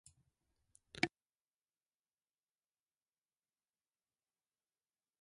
石英は鉱物の一種である。